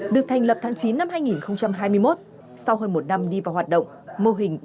được thành lập tháng chín năm hai nghìn hai mươi một sau hơn một năm đi vào hoạt động mô hình ba trăm linh ba có đã được triển khai